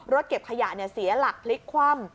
เก็บขยะเสียหลักพลิกคว่ำ